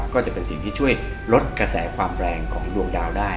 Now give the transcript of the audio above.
ก็จะเป็นสิ่งที่ช่วยลดกระแสความแรงของดวงดาวได้